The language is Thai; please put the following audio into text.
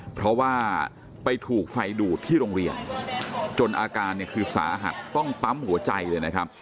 เพราะว่าไปถูกไฟดูดที่โรงเรียนจนอาการเนี่ยคือสาหัสต้องปั๊มหัวใจเลยนะครับ